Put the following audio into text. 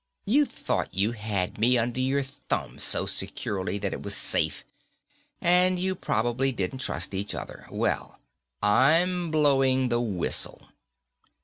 You thought you had me under your thumb so securely that it was safe and you probably didn't trust each other. Well, I'm blowing the whistle."